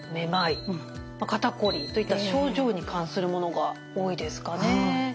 「肩こり」といった症状に関するものが多いですかね？